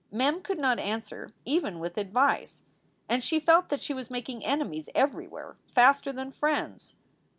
Mem could not answer even with advice. And she felt that she was making enemies everywhere faster than friends.